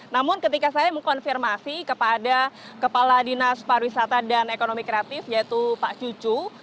namun ketika saya mengkonfirmasi kepada kepala dinas pariwisata dan ekonomi kreatif yaitu pak cucu